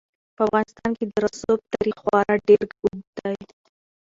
په افغانستان کې د رسوب تاریخ خورا ډېر اوږد دی.